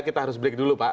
kita harus break dulu pak